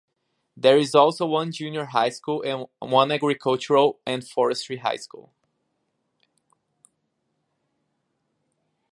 There is also one junior high school and one agricultural and forestry high school.